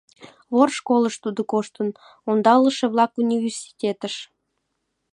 Вор школыш тудо коштын, ондалыше-влак университетыш!